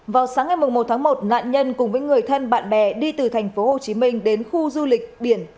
vào sáng ngày một tháng một nạn nhân cùng với người thân bạn bè đi từ thành phố hồ chí minh đến khu du lịch biển